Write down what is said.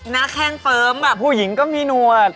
นักแห้งเฟิร์มแบบผู้หญิงก็มีหนวด